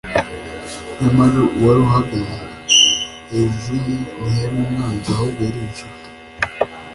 Nyamara uwari uhagaze hejuru ye ntiyari umwanzi ahubwo yari incuti